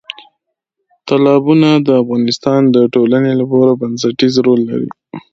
تالابونه د افغانستان د ټولنې لپاره بنسټیز رول لري.